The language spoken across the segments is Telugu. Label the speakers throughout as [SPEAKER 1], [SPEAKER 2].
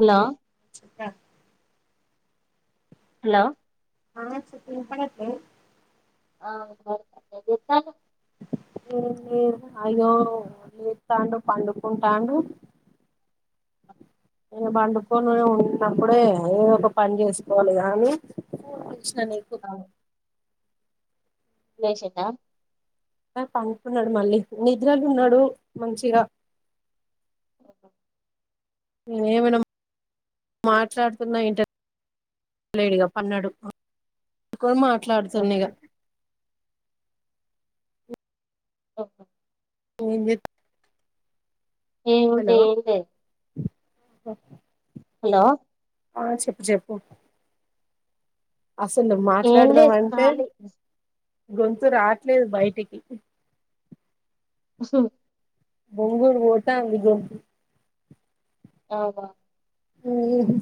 [SPEAKER 1] హలో
[SPEAKER 2] ఇట్టా
[SPEAKER 1] హలో
[SPEAKER 2] ఆ చెప్పు వినపడట్లే
[SPEAKER 1] ఆ అయితే ఏం చేతలు
[SPEAKER 2] అయ్యో లేతాండు పండుకుంటాడు నేను పండుకోను ఉన్నప్పుడే ఏదో ఒక పని చేసుకోవాలి గానీ నీకు
[SPEAKER 1] లేచిందా
[SPEAKER 2] ఆ పంటున్నాడు మళ్ళీ నిద్రలు ఉన్నాడు మంచిగా
[SPEAKER 1] ఓహ
[SPEAKER 2] ఏమైనా మాట్లాడుతున్నా ఇంటలేడుగా పన్నాడు మాట్ మాట్లాడుతున్నాయిగా
[SPEAKER 1] ఓహో
[SPEAKER 2] ఏంజెత్
[SPEAKER 1] ఏముంది ఏం లేదు
[SPEAKER 2] ఓ
[SPEAKER 1] హలో
[SPEAKER 2] ఆ చెప్పు చెప్పు అస్సలు
[SPEAKER 1] ఏం
[SPEAKER 2] మాట్లాడుదాం
[SPEAKER 1] లేదు
[SPEAKER 2] అంటే
[SPEAKER 1] ఖాళీ
[SPEAKER 2] గొంతు రావట్లేదు బయటికి
[SPEAKER 1] అసలు
[SPEAKER 2] బొంగుర్ పోతాంది గొంతు
[SPEAKER 1] ఆవా
[SPEAKER 2] మ్మ్ హ్మ్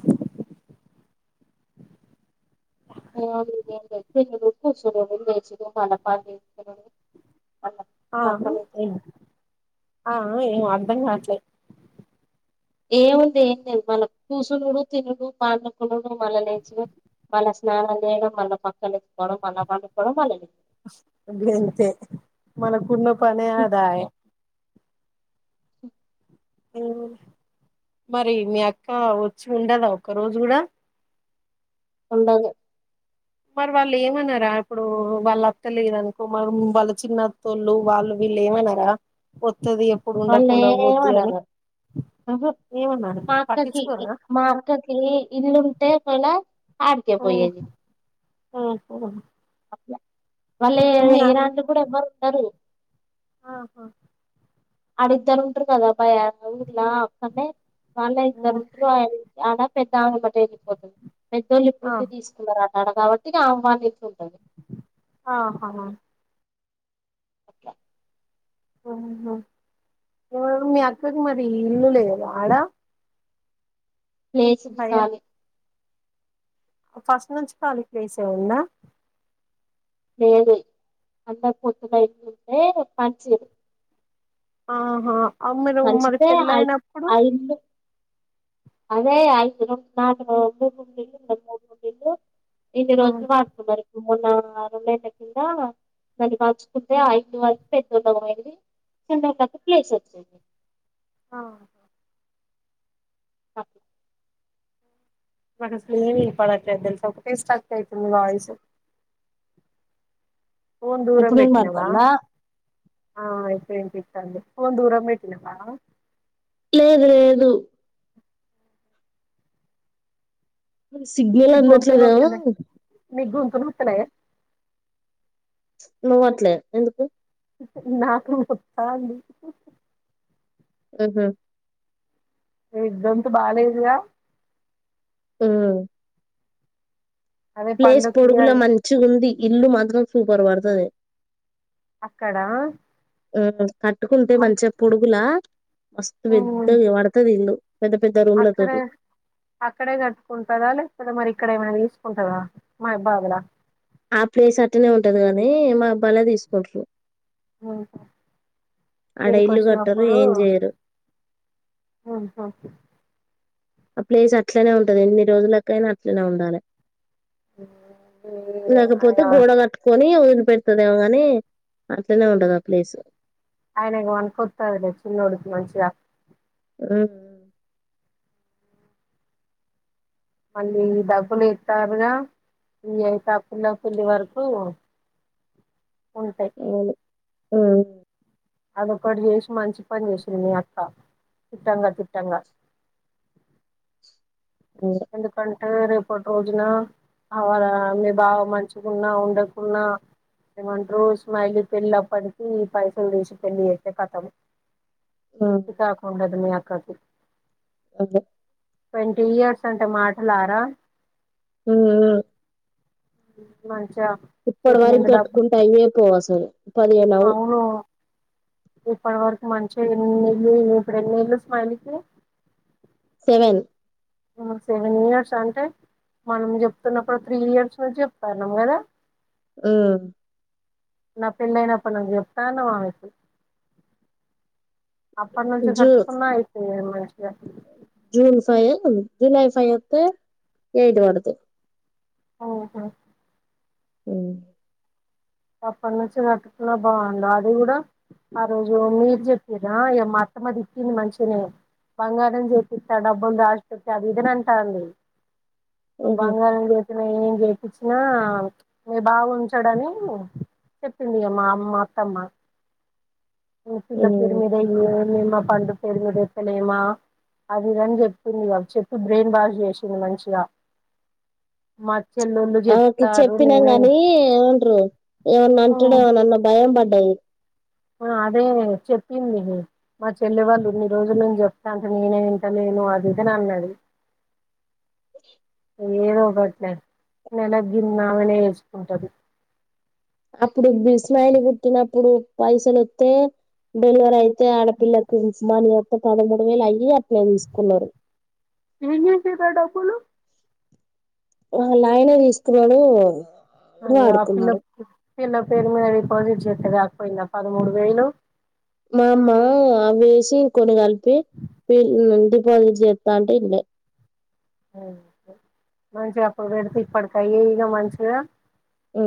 [SPEAKER 1] మామాలుగా ఏం లేదు తినుడు కూసోడు మళ్ళీ లేసి పనిచేసుకొనుడు
[SPEAKER 2] ఆహా ఏం ఆహ ఏం అర్ధం కావట్లే
[SPEAKER 1] ఏముంది ఏం లేదు మల్ల కూసునుడు, తినుడు, పండుకునుడు, మల్ల లేచుడు ఇగ మల్ల స్నానాలు చేయడం, మల్ల పక్కలు ఎత్తుకోవడం, మల్ల పండుకోవడం మల్ల లేచి.
[SPEAKER 2] గింతే మనకున్న పనే గఆదాయే
[SPEAKER 1] అ
[SPEAKER 2] మరి మీ అక్క వచ్చి ఉండదా ఒక్క రోజు కూడా
[SPEAKER 1] ఉండదు
[SPEAKER 2] మరి వాళ్ళు ఏమన్నారా ఇప్పుడు వాళ్ళు అక్కలేదు అనుకో మరి వాళ్ళ చిన్నత్తోళ్ళు వాళ్ళు వీళ్ళు ఏమన్నారా. వత్తది ఎప్పుడు ఉండకుండా
[SPEAKER 1] వాళ్ళేమ్
[SPEAKER 2] పోద్ది అని
[SPEAKER 1] అనరు మ్మ్ హ్మ్
[SPEAKER 2] ఏమన్నారు
[SPEAKER 1] మా అక్కకి
[SPEAKER 2] పట్టించుకోరా
[SPEAKER 1] మా అక్కకి ఇల్లుంటే ఒకవేళ. ఆడికే పోయేది
[SPEAKER 2] హ్మ్
[SPEAKER 1] అట్లా మళ్ళీ ఏనాటి కూడా ఇవ్వరు తరు
[SPEAKER 2] ఆహా
[SPEAKER 1] ఆడ ఇద్దరు ఉంటరు కథ పై ఊర్ల వస్తుంటే వాళ్ళే
[SPEAKER 2] మ్మ్
[SPEAKER 1] ఇద్దరుంటిరే ఆమె పెద్దావెమ్మట ఎల్లిపోతది పెద్దోళ్ళు ఇప్పుడు
[SPEAKER 2] ఆ
[SPEAKER 1] ఇల్లు తీసుకున్నారు ఆడ కాబట్టి ఆహ్వానించి ఉంటరు
[SPEAKER 2] ఆహా
[SPEAKER 1] అట్లా
[SPEAKER 2] ఆహ మీ అక్కకి మరి ఇల్లు లేదా ఆడ
[SPEAKER 1] లేసింది
[SPEAKER 2] భయ
[SPEAKER 1] కాలి
[SPEAKER 2] ఫస్ట్ నుంచి ఖాళీ ప్లేసే ఉందా
[SPEAKER 1] లేదు అందరు కూతుల అయిపోతే పంచీరు
[SPEAKER 2] ఆహా అ మీరు మరి
[SPEAKER 1] ఆ
[SPEAKER 2] పెళ్ళయినప్పుడు
[SPEAKER 1] ఆ ఇల్లు అదే ఐదో నాలుగో మూడు ఇ మూడు [unintelligible] ఇన్ని రోజులు
[SPEAKER 2] ఆహా
[SPEAKER 1] వార్స వరకు మొన్న రెండేళ్ల కింద నది మార్చుకుంటే ఆ ఐదు వర పెద్దోల అయింది చిన్నకి ప్లేస్ వచ్చింది
[SPEAKER 2] ఆ
[SPEAKER 1] అ
[SPEAKER 2] మన [inaudible] తెలుసా స్ట్రక్ అయితాంది వాయిసు
[SPEAKER 1] ఎప్పుడన్న వత్తాందా
[SPEAKER 2] ఆ అయితే ఏంటి ఎంతిత్తాంది చెప్పు ఫోన్ దూరం పెట్నావా
[SPEAKER 1] లేదు లేదు సిగ్నల్ అందట్లేదా
[SPEAKER 2] [unintelligible] వస్తలే
[SPEAKER 1] నువట్లే ఎందుకు
[SPEAKER 2] నాకు వస్తాంది
[SPEAKER 1] మ్మ్ హ్మ్
[SPEAKER 2] ఇద్దంతు బాలేదు గా
[SPEAKER 1] మ్మ్
[SPEAKER 2] అదే
[SPEAKER 1] ప్లేస్
[SPEAKER 2] పండుకి
[SPEAKER 1] పొడుగుల మంచి గుంది ఇల్లు మాత్రం సూపర్ పడ్తాది
[SPEAKER 2] అక్కడా
[SPEAKER 1] మ్మ్ హ్మ్ కట్టుకుంటే మంచిగా పొడుగులా మస్తు
[SPEAKER 2] ఉమ్
[SPEAKER 1] పెద్దగా పడుతది ఇల్లు పెద్ద పెద్ద రూమ్ల
[SPEAKER 2] అక్కడే
[SPEAKER 1] తోటి
[SPEAKER 2] అక్కడే కట్టుకుంటరా లేకపోతే మరి ఇక్కడ ఏమైనా తీసుకుంటారా మా ఇబ్బాగులా
[SPEAKER 1] ఆ ప్లేస్ అట్లనే ఉంటది గానీ మా అబ్బాలే తీసుకుంటాను
[SPEAKER 2] మ్మ్ హ్మ్ ఈడికి
[SPEAKER 1] ఇల్లు కట్టరు
[SPEAKER 2] వచ్చినప్పుడు
[SPEAKER 1] ఏం చేయరు ఆ ప్లేస్ అట్లనే ఉంటది ఎన్ని రోజులకైనా అట్లనే ఉండాలి
[SPEAKER 2] ఆయన
[SPEAKER 1] లేకపోతే గోడ కట్టుకొని పెడుతదేమో గాని అట్టనే ఉండదు ఆ ప్లేస్
[SPEAKER 2] ఆయన మనికొస్తారులే చిన్నోడికి మంచిగా
[SPEAKER 1] మ్మ్
[SPEAKER 2] మళ్ళీ డబ్బులు ఇస్తారుగా ఈ అయిత పిల్ల పెళ్ళి వరకు ఉంటాయి
[SPEAKER 1] అవును హలో
[SPEAKER 2] అదొక్కటి చేసి మంచి పని చేసింది నీ అక్క తిట్టంగా తిట్టంగా
[SPEAKER 1] అదే
[SPEAKER 2] ఎందుకం ఆ రేపటి రోజున ఆళ్ళ మీ బావ మంచికున్నా ఉండకున్నా ఏమంటారు ఇస్మైలీ పెళ్లి అప్పటికి పైసలు తీసి పెళ్లి చేత్తే కథం
[SPEAKER 1] ఆ!
[SPEAKER 2] శికారకుండ దనియా కాసేప్
[SPEAKER 1] అదే
[SPEAKER 2] ఇయర్స్ అంటే మాటలరా
[SPEAKER 1] మ్మ్ అదే
[SPEAKER 2] మంచి
[SPEAKER 1] ఇప్పటి వరకు కట్టుకుంటే అయ్యే పోవు అసలు పదిహేనవ్
[SPEAKER 2] అవును ఇప్పటి వరకు మంచిగా ఎన్ని నేల్ ఇప్పుడు ఎన్ని ఏళ్లు స్మైలికి
[SPEAKER 1] సెవెన్
[SPEAKER 2] సెవెన్ ఇయర్స్ అంటే మనం చెప్తున్నప్పుడు త్రీ ఇయర్స్ నుంచి చెప్తన్నాం కదా
[SPEAKER 1] ఆ
[SPEAKER 2] నా పెండ్లి అయినప్పటి నుంచి చెప్తానవ్ ఆమె కి అప్పటి నుంచి
[SPEAKER 1] జూ
[SPEAKER 2] కట్టుకున్నా అయిపోయే మంచిగా
[SPEAKER 1] జూన్ ఫైవ్ జూలై ఫై వత్తే ఎయిట్ పడుతాయి
[SPEAKER 2] ఓహో
[SPEAKER 1] హూ
[SPEAKER 2] అప్పటినుంచి కట్టుకున్నా బాగుండు అది కూడా ఆ రోజు మీరు చెప్పిరా ఇ అత్తమ్మ తిట్టింది మంచిగానే బంగారం చేపిస్తా డబ్బులు దాచి పెట్టు అది ఇది అని అంటాంది
[SPEAKER 1] ఆహా
[SPEAKER 2] బంగారం చేస్ ఏం చేపంచినా మీ బావ ఉంచాడని చెప్పింది మా అమ్మా అత్తమ్మ ఇగ పిల్ల పేరుమీదా ఏయీ మేం మా పండు పేరు ఏత్తలేమా అది ఇది అని చెప్పింది గా చెప్పి బ్రెయిన్ వాష్ చేసింది మంచిగా చెల్లెళ్ళు
[SPEAKER 1] ఆమేకి
[SPEAKER 2] చెప్తారు
[SPEAKER 1] చెప్పినాం
[SPEAKER 2] నేనే
[SPEAKER 1] గాని ఏమంట్రు ఇవన్ అంటడమో నన్న భయం బడ్ ఔవ్
[SPEAKER 2] ఆ అదే చెప్పింది మా చెల్లి వాళ్ళు ఇన్ని రోజుల నుంచి చెప్తా అంటే నేనే వింటా లేను అది ఇదని అన్నాది ఏదో ఒకటి లే నెలగింది ఆమెనే వేచుకుంటది
[SPEAKER 1] అప్పుడు బిస్మయిల్ పుట్టినప్పుడు పైసలు వత్తే డెలివరీ అయితే ఆడపిల్లకు మనీ వత్తే పదమూడు వేలు అయ్యి అట్లే తీసుకున్నారు
[SPEAKER 2] ఏం చేసేది ఆ డబ్బులు
[SPEAKER 1] వాలాయనే తీసుకున్నాడు
[SPEAKER 2] అయ్యో ఆ పిల్ల
[SPEAKER 1] వాడుకున్నాడు
[SPEAKER 2] ప్ పిల్ల పేరు మీద డిపాజిట్ చేస్త కాకపోయింద పదమూడు వేలు
[SPEAKER 1] మా అమ్మ అవేసి కొన్ని కలిపి డిపాజిట్ చేత్త అంటే వినలే
[SPEAKER 2] మంచిగా అప్పుడు పెడితే ఇప్పడుకాయి గా మంచిగా
[SPEAKER 1] హూ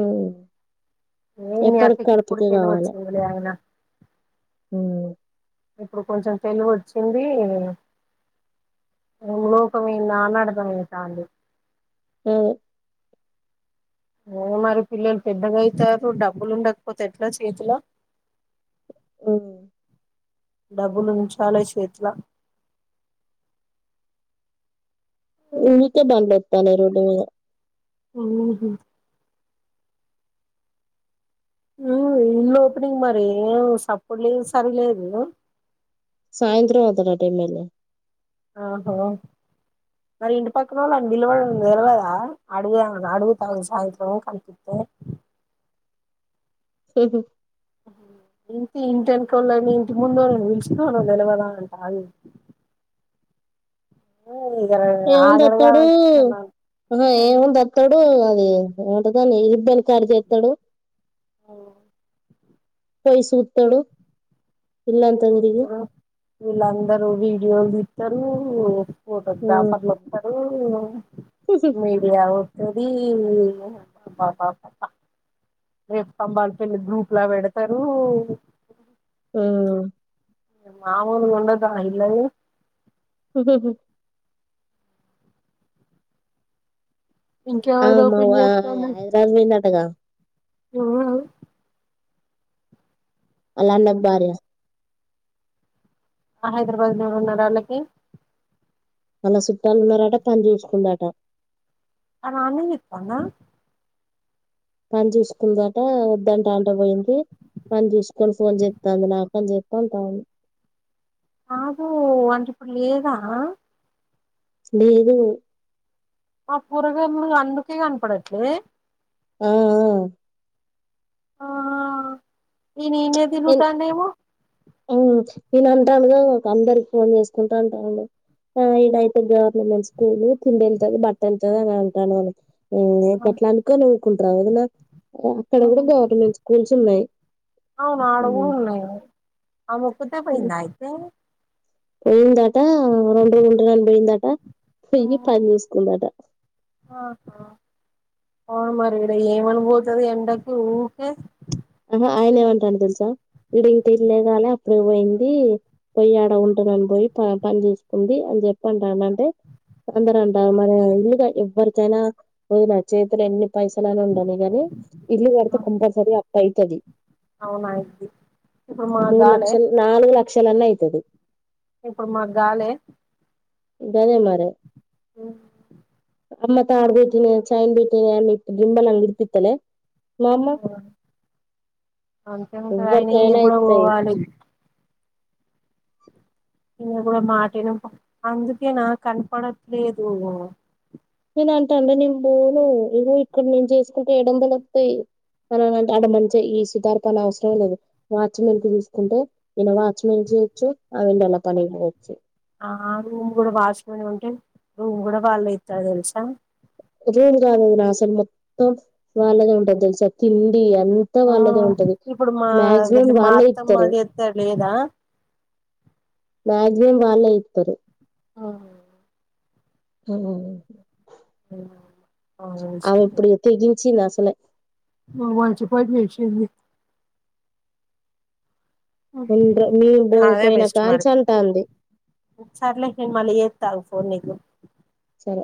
[SPEAKER 2] ఏం మీ అత్త కి ఇప్పుడు తెలివి వచ్చింది లే ఆయన
[SPEAKER 1] హు
[SPEAKER 2] ఇప్పుడు కొంచెం తెలివి వచ్చింది లోకం ఎందా అని అర్థం అయితాంది
[SPEAKER 1] ఆ
[SPEAKER 2] ఓ మరి పిల్లలు పెద్దగా అయితారు డబ్బులు ఉండకపోతే ఎట్లా చేతిలో
[SPEAKER 1] ఓ
[SPEAKER 2] డబ్బులు ఉంచాలి చేతిల
[SPEAKER 1] ఉమకే బందత్ త్తన రోడ్ మీద
[SPEAKER 2] మనుమనికా హూ ఇల్ ఓపెనింగ్ మరి సప్పుడు లేదు సరిలేదు
[SPEAKER 1] సాయంత్రం వత్తాడ అంటా ఎమ్ ఎల్ ఏ
[SPEAKER 2] ఆహో మరి ఇంటి పక్కన వాళ్ళ నిలవడం తెలవదా అడుగుా అడుగుతాను సాయంత్రం కనిపిస్తే
[SPEAKER 1] సహ
[SPEAKER 2] ఇంటి ఇంటినుకోళ్ళని ఇంటి ముందుళ్ నను పిలిచుకోాను తెలవద అంట అవి
[SPEAKER 1] ఏముంద
[SPEAKER 2] ఆగడుగా
[SPEAKER 1] వతాడు
[SPEAKER 2] అలా
[SPEAKER 1] ఏముంద వతాడు అ అదే ఉంటదాని ఇబ్బని కారు చేస్తాడు
[SPEAKER 2] ఓ
[SPEAKER 1] పయి సూతడు ఇల్ అంత గురిగి
[SPEAKER 2] చూస్తారు వీళ్ళందరూ వీడియోలు ఇస్తారు
[SPEAKER 1] ఆ
[SPEAKER 2] ఫోటోగ్రాఫర్లు వస్తారు ఓ మీలివు అది బా బా బ రేపు స్తంభాల పెళ్లి గ్రూప్ లా పెడతారు
[SPEAKER 1] హు
[SPEAKER 2] మామూలు ఉండదా ఇలాయే
[SPEAKER 1] ఉ హు
[SPEAKER 2] ఇంకెవరిది
[SPEAKER 1] ఆమె
[SPEAKER 2] ఓపెన్
[SPEAKER 1] హైదరాబాద్ పోయింది అంటగా
[SPEAKER 2] ఎవ్వడూ
[SPEAKER 1] ఆళ్ళ అన్న భార్య
[SPEAKER 2] హా హైదరాబాదులో ఎవరున్నరు వాళ్ళకి
[SPEAKER 1] వాళ్ల సుట్టాలు ఉన్నారట పని చూసుుకుందట
[SPEAKER 2] ఆమె ఆన్నే చేతందా
[SPEAKER 1] పని చూసుకుందంట వద్దంట అంట పోయింది, పని చూసుకొని ఫోన్ చేతంది నాకు అని చెప్ప అంటాది.
[SPEAKER 2] కాదు అంటే ఇప్పుడు లేదా
[SPEAKER 1] లేదు
[SPEAKER 2] ఆ కూరగాండ్లు అందుకే కనపడట్లే
[SPEAKER 1] ఆ ఆ
[SPEAKER 2] ఆ ఈయన ఇన్నే తిరుగుతాండేమో
[SPEAKER 1] ఈయన అంటాండు గా అందరికి ఫోన్ చేసుకుంటా అంటాండు ఇయనైతే గవర్నమెంట్ స్కూల్ తిండి వెళ్తుంది, బట్ట వెళ్తుది అని అంటాండు. హు ఎపట్లా అనుకోనువ్ కుంటర్ర వదినా అక్కడ కూడా గవర్నమెంట్ స్కూల్స్ ఉన్నాయి
[SPEAKER 2] ఆమె ఒక్కతే పోయిందా అయితే
[SPEAKER 1] పోయిందట్ టా రెండు రోజులు ఉంటా అని పోయిందట
[SPEAKER 2] ఆ
[SPEAKER 1] పోయ్యి పని చూసుకుందట.
[SPEAKER 2] ఆహా అవును మరి ఈడ ఏమని పోతది ఎండకి ఊకే
[SPEAKER 1] ఆహా ఆయన ఏమంటాండి తెలుసా! ఈడ ఇంకా ఇల్లే కాలే అప్పుడే పోయింది, పోయి ఆడ ఉంటున్నాని పోయి పని చేసుకుంది, అని చెప్పంటా అంటే అందర అంటారు, మన ఇల్లుగా ఎవ్వరికైనా పోయిన చేతులు ఎన్ని. పైసల ఉండని గనీ ఇల్లు కడితే కంపల్సరి అప్
[SPEAKER 2] అవునా ఇది ఇప్పుడు మా
[SPEAKER 1] మూడు
[SPEAKER 2] గాలే
[SPEAKER 1] లక్షలు నాలుగు లక్షలన్నా అయితది
[SPEAKER 2] ఇప్పుడు మా గాలే
[SPEAKER 1] గదే మరి అమ్మ తాడు బెట్టినై, చాయిన్ బెట్టినై అన్ని [unintelligible] నిమ్మలంగా విడిపిత్తలే,
[SPEAKER 2] అంతే ఉంటది అయినా
[SPEAKER 1] ఎవ్వరికైనా
[SPEAKER 2] ఇనాకు కూడా
[SPEAKER 1] ఇస్తాయి
[SPEAKER 2] పోవాలి. ఈయన కూడా మాటన [inaudible] అందుకే నాకు కనపడట్లేదు.
[SPEAKER 1] ఏదంటే అంటే అండి నేను బోను ఇగో ఇక్కడ నేను చేసుకుంటే ఏడువందాలు ఒత్తై, అడ మంచి ఈ సూతర్ పని అవసరం లేదు వాచ్మెన్ కి చూసుకుంటే ఇనా వాచ్మెన్ చేయొచ్చు ఆమే ఇండట్ల పనికి పోవచ్చు.
[SPEAKER 2] ఆ రూమ్ కూడా వాచ్మెన్ ఉంటే రూమ్ కూడా వాళ్ళే ఇత్తారు తెలుసా
[SPEAKER 1] రూమ్ కాదు వదిన అసలు మొత్తం వాళ్లదే ఉంటుది తెలుసా తిన్ డి అంతా
[SPEAKER 2] ఆ
[SPEAKER 1] వాళ్ళద ఉంటది,
[SPEAKER 2] ఇప్పుడు మా
[SPEAKER 1] మాక్సిమం
[SPEAKER 2] మా
[SPEAKER 1] వాళ్ళే
[SPEAKER 2] అత్తమ్మ
[SPEAKER 1] ఇత్తరు.
[SPEAKER 2] చేత్తే లేదా
[SPEAKER 1] మాక్సిమం వాళ్ళే ఇత్తరు
[SPEAKER 2] ఆహా
[SPEAKER 1] హుం
[SPEAKER 2] ఆ
[SPEAKER 1] ఆమె ఇప్పుడు ఇచ్చే జీ చ్చి నాసాలె
[SPEAKER 2] మా మంచి పని చేసింది
[SPEAKER 1] మేము బో
[SPEAKER 2] అదే
[SPEAKER 1] పోయిన
[SPEAKER 2] బెస్ట్ మరి,
[SPEAKER 1] కాంచి అంటాంది
[SPEAKER 2] సర్లే నేను మళ్ళీ చేస్తా ఆగు, ఉన్నికు [unintelligible]
[SPEAKER 1] సరే